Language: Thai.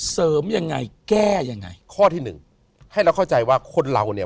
ยังไงแก้ยังไงข้อที่หนึ่งให้เราเข้าใจว่าคนเราเนี่ย